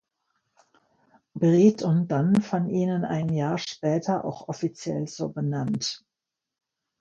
Breed und dann von ihnen ein Jahr später auch offiziell so benannt.